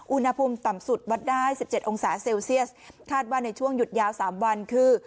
อุณหภูมิต่ำสุดวัดได้๑๗องศาเซลเซียสคาดว่าในช่วงหยุดยาว๓วันคือ